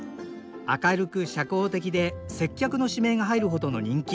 明るく社交的で接客の指名が入るほどの人気。